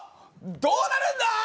どうなるんだー？